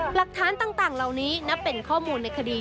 หลักฐานต่างเหล่านี้นับเป็นข้อมูลในคดี